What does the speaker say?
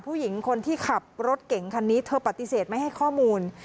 ผู้หญิงคนที่ขับรถเก่งคันนี้เธอปฏิเสธไม่ให้ข้อมูล